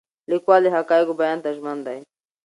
لیکوال د حقایقو بیان ته ژمن دی.